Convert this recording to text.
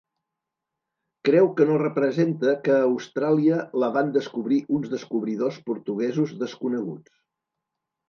Creu que no representa que Austràlia la van descobrir uns descobridors portuguesos desconeguts.